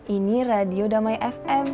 ini radio damai fm